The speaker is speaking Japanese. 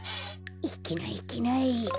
いけないいけない。